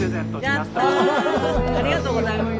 ありがとうございます。